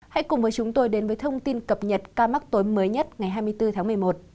hãy cùng với chúng tôi đến với thông tin cập nhật ca mắc tối mới nhất ngày hai mươi bốn tháng một mươi một